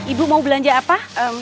ibu mau belanja apa